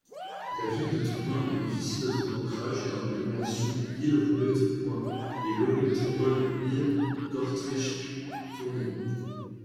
La ville de Tourcoing bénéficie de son ancrage dans l'agglomération Lille-Roubaix-Tourcoing et l'Eurométropole Lille-Kortrijk-Tournai.